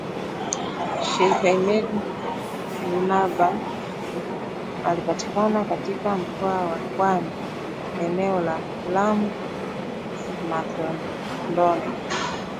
Sheikh Ahmed Nabhany alipatikana katika mkoa wa pwani eneo la Lamu - Matondoni